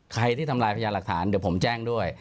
ใครที่ทำลายพยานหลักฐานเดี๋ยวผมแจ้งด้วย